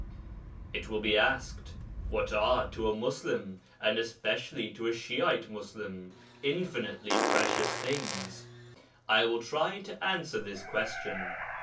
It will be asked, What are, to a Muslim, and especially to a Shi'ite Muslim, infinitely precious things? I will try to answer this question.